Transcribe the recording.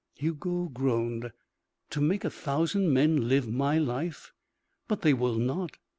Hugo groaned. "To make a thousand men live my life " "But they will not.